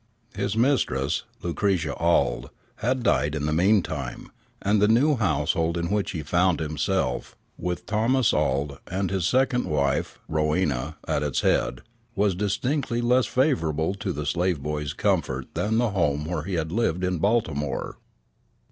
His mistress, Lucretia Auld, had died in the mean time; and the new household in which he found himself, with Thomas Auld and his second wife, Rowena, at its head, was distinctly less favorable to the slave boy's comfort than the home where he had lived in Baltimore.